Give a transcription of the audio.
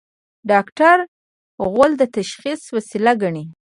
ډاکټران غول د تشخیص وسیله ګڼي.